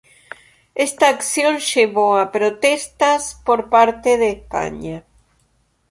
Esta acción llevó a protestas por parte de España.